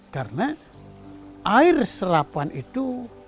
karena air serapan itu